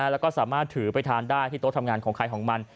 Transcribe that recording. แล้วก็สามารถถือไปทานได้ที่โต๊ะทำงานของใครของมัน